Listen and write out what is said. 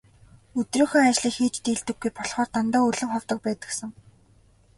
Өдрийнхөө ажлыг хийж дийлдэггүй болохоор дандаа өлөн ховдог байдагсан.